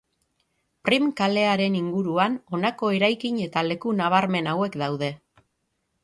Prim kalearen inguruan honako eraikin eta leku nabarmen hauek daude.